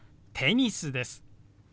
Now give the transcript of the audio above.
テニスです。